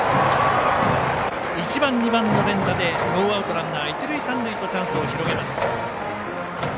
１番、２番の連打でノーアウトランナー、一塁三塁とチャンスを広げます。